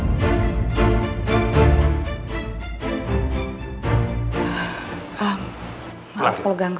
ma maaf kalau ganggu